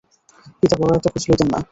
পিতা বড় একটা খোঁজ লইতেন না।